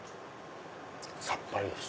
さっぱりです。